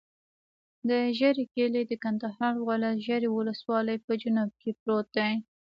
د ژرۍ کلی د کندهار ولایت، ژرۍ ولسوالي په جنوب کې پروت دی.